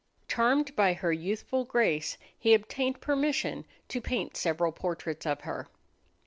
Charmed by her youthful grace, he obtained permission to paint several portraits of her.